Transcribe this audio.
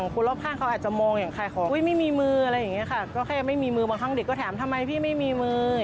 พี่ไม่มีมือบางครั้งเด็กก็ถามทำไมพี่ไม่มีมือ